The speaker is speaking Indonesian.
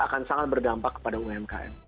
akan sangat berdampak kepada umkm